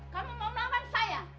kamu mau melawan saya